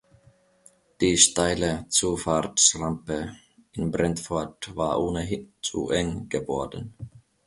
Die steile Zufahrtsrampe in Brentford war ohnehin zu eng geworden.